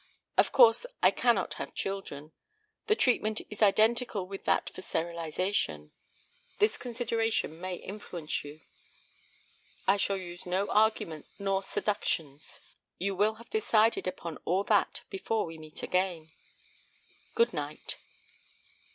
Of course I cannot have children. The treatment is identical with that for sterilization. This consideration may influence you. I shall use no arguments nor seductions. You will have decided upon all that before we meet again. Good night."